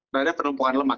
terhadap penumpukan lemak